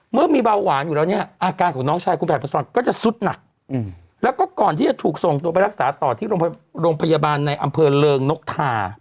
เมื่อมีเบาหวานอยู่แล้วเนี่ยอาการของน้องชายคุณแผ่ประสอนก็จะสุดหนักแล้วก็ก่อนที่จะถูกส่งตัวไปรักษาต่อที่โรงพยาบาลในอำเภอเริงนกทา